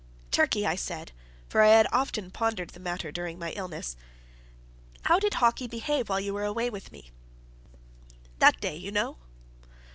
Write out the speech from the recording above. "Turkey," I said, for I had often pondered the matter during my illness, "how did Hawkie behave while you were away with me that day, you know?"